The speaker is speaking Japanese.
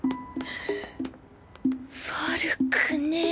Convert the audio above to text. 悪くねぇ。